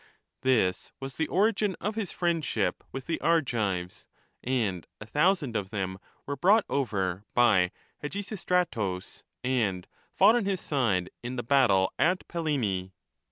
This was the origin of his friend ship with the Argives, and a thousand of them were brought over by Hegesistratus and fought on his side in the battle at Pallene.